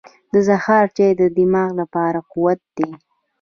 • د سهار چای د دماغ لپاره قوت دی.